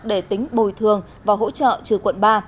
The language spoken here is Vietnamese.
để tính bồi thường và hỗ trợ trừ quận ba